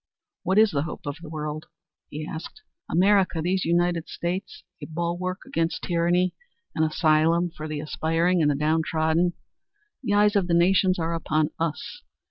What is the hope of the world?" he asked. "America these United States, a bulwark against tyranny, an asylum for the aspiring and the downtrodden. The eyes of the nations are upon us.